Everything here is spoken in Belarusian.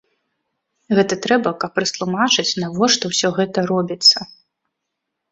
Гэта трэба, каб растлумачыць, навошта ўсё гэта робіцца.